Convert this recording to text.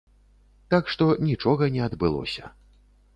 Так што нічога не адбылося.